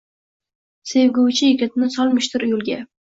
Sevguvchi yigitni solmishdir yo’lga